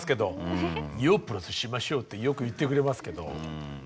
「ＹＯＨしましょう」ってよく言ってくれますけど。